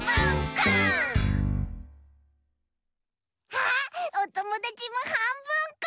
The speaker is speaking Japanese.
あっおともだちもはんぶんこ！